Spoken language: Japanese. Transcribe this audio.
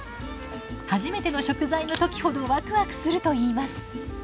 初めての食材の時ほどワクワクするといいます。